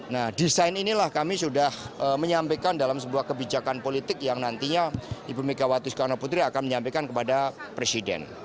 nah desain inilah kami sudah menyampaikan dalam sebuah kebijakan politik yang nantinya ibu megawati soekarno putri akan menyampaikan kepada presiden